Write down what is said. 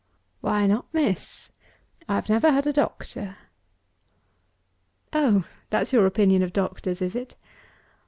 "Why not, miss? I have never had a doctor." "Oh! That's your opinion of doctors, is it?"